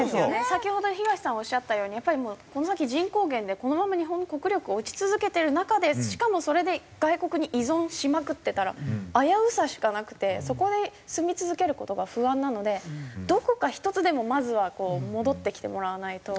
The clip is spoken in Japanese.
先ほど東さんがおっしゃったようにやっぱりもうこの先人口減でこのまま日本の国力が落ち続けてる中でしかもそれで外国に依存しまくってたら危うさしかなくてそこで住み続ける事が不安なのでどこか１つでもまずはこう戻ってきてもらわないと。